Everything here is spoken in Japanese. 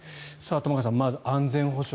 玉川さん、まず安全保障